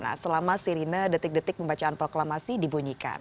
nah selama sirine detik detik pembacaan proklamasi dibunyikan